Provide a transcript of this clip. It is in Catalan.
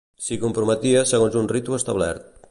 S'hi comprometia segons un ritu establert.